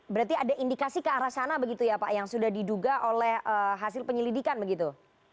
berarti ada indikasi ke arah sana begitu ya pak yang sudah diduga oleh hasil penyelidikan begitu